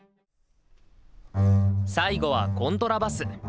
最後はコントラバス。